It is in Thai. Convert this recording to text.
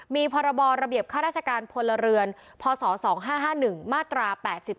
มีพรรภศ๒๕๕๑มาตรา๘๒